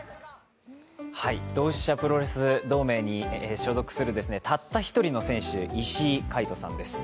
同志社プロレス同盟に所属するたった一人の選手・石井海翔さんです。